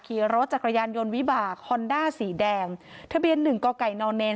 ขี่รถจักรยานยนต์วิบากฮอนด้าสีแดงทะเบียนหนึ่งกไก่นเนน